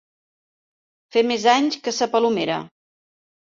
Fer més anys que sa Palomera.